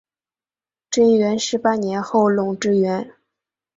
贞元十八年后垄之原。